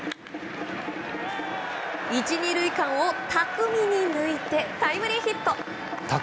１、２塁間を巧みに抜いてタイムリーヒット。